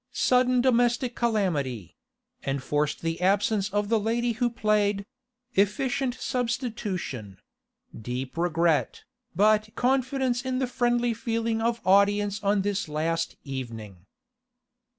'Sudden domestic calamity ... enforced absence of the lady who played ... efficient substitution ... deep regret, but confidence in the friendly feeling of audience on this last evening.